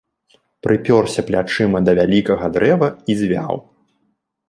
Прыпёрся плячыма да вялікага дрэва і звяў.